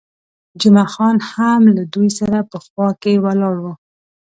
جمعه خان هم له دوی سره په خوا کې ولاړ وو.